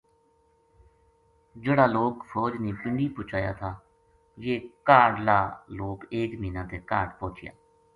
جہیڑا لوک فوج نے پنڈی پوہچایا تھا یہ کاہڈلا لوک ایک مہینہ تے کاہڈ پوہچیا